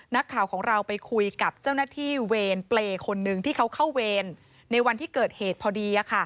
นักข่าวของเราไปคุยกับเจ้าหน้าที่เวรเปรย์คนหนึ่งที่เขาเข้าเวรในวันที่เกิดเหตุพอดี